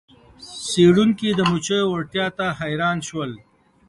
څیړونکي د مچیو وړتیا ته حیران شول.